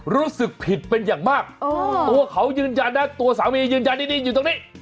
รู้สึกผิดเป็นอย่างมากตัวเขายืนยันนะตัวสามียืนยันดีอยู่ตรงนี้